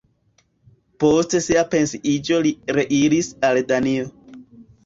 Post sia pensiiĝo li reiris al Danio.